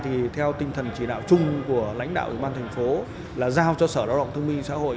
thì hiện nay thì theo tinh thần chỉ đạo chung của lãnh đạo ủy ban thành phố là giao cho sở lao động thông minh xã hội